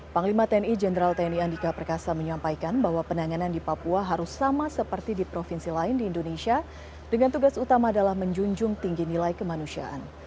panglima tni jenderal tni andika perkasa menyampaikan bahwa penanganan di papua harus sama seperti di provinsi lain di indonesia dengan tugas utama adalah menjunjung tinggi nilai kemanusiaan